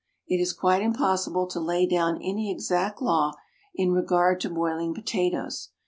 It is quite impossible to lay down any exact law in regard to boiling potatoes.